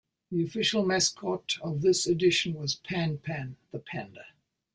The official mascot of this edition was PanPan, the panda.